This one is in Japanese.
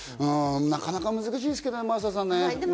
なかなか難しいですけどね、真麻さん。